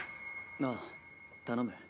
・ああ頼む。